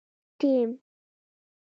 ټیم